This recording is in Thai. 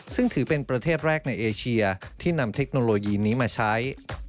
ซึ่งถือเป็นประเทศแรกในเอเชียที่นำเทคโนโลยีนี้มาใช้